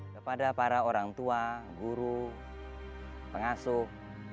kepada para orang tua guru pengasuh